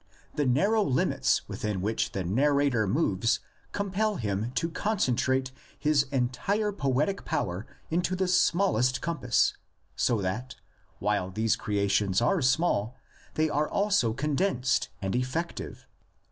The narrow limits within which the narrator moves compel him to concentrate his entire poetic power into the smallest compass; so that, while these creations are small, they are also condensed and effective.